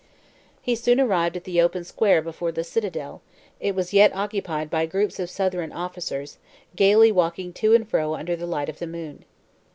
He soon arrived at the open square before the citadel; it was yet occupied by groups of Southron officers, gayly walking to and fro under the light of the moon.